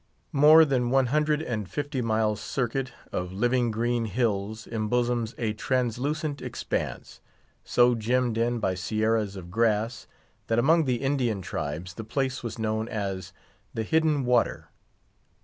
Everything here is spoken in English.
More than one hundred and fifty miles' circuit of living green hills embosoms a translucent expanse, so gemmed in by sierras of grass, that among the Indian tribes the place was known as "The Hidden Water."